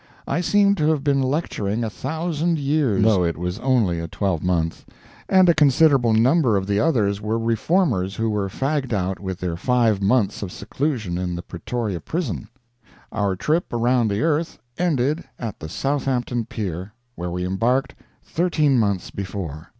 I seemed to have been lecturing a thousand years, though it was only a twelvemonth, and a considerable number of the others were Reformers who were fagged out with their five months of seclusion in the Pretoria prison. Our trip around the earth ended at the Southampton pier, where we embarked thirteen months before.